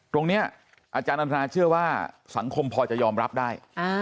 ตรงนี้อธนาเชื่อว่าสังคมพอจะยอมรับได้